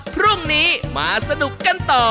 พรุ่งนี้มาสนุกกันต่อ